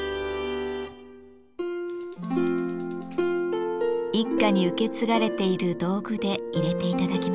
一家に受け継がれている道具でいれて頂きましょう。